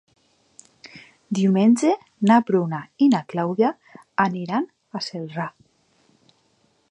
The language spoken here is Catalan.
Diumenge na Bruna i na Clàudia aniran a Celrà.